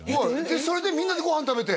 それでみんなでご飯食べて？